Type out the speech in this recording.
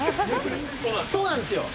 そうなんですよ。